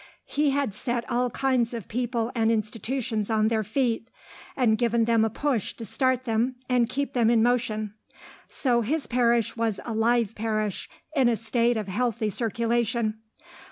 He had set all kinds of people and institutions on their feet, and given them a push to start them and keep them in motion. So his parish was a live parish, in a state of healthy circulation.